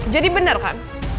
jadi bener kan